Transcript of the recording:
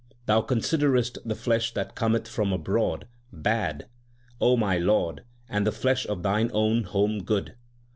Thou considerest the flesh that cometh from abroad 1 bad, O my lord, and the flesh of thine own home good.